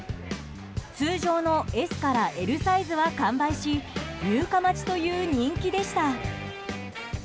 通常のＳからＬサイズは完売し入荷待ちという人気でした。